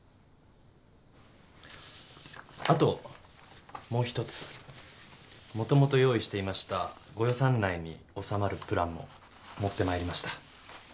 後もう１つもともと用意していましたご予算内に収まるプランも持ってまいりました。